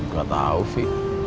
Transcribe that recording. gak tau vi